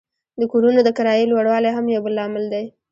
د کورونو د کرایې لوړوالی هم یو بل لامل دی